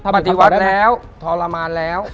ปฏิวัติแล้วทรมานแล้ว